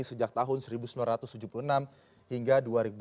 sejak tahun seribu sembilan ratus tujuh puluh enam hingga dua ribu dua puluh